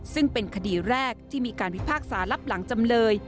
ซึ่งเป็นคดีแรกที่มีการพิพากษารับหลังจำเลย